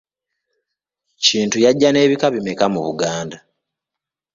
Kintu yajja n'ebika bimeka mu Buganda?